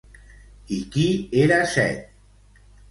I qui era Set?